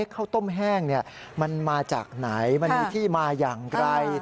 ข้าวต้มแห้งมันมาจากไหนมันมีที่มาอย่างไร